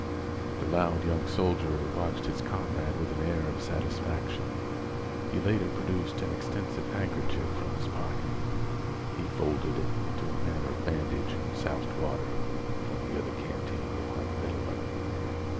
The loud young soldier watched his comrade with an air of satisfaction. He later produced an extensive handkerchief from his pocket. He folded it into a manner of bandage and soused water from the other canteen upon the middle of it.